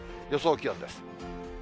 予想気温です。